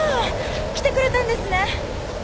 来てくれたんですね。